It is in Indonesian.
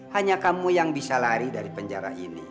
hanya kamu yang bisa lari dari penjara ini